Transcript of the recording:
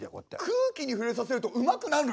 「空気に触れさせるとうまくなるのよ」。